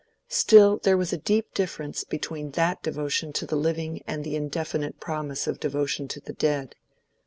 Still, there was a deep difference between that devotion to the living and that indefinite promise of devotion to the dead.